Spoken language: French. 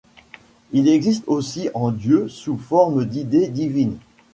Ils existent aussi en Dieu sous forme d'idées divines.